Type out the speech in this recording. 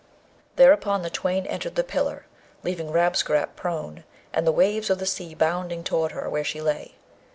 Thereupon, the twain entered the pillar, leaving Rabesqurat prone, and the waves of the sea bounding toward her where she lay.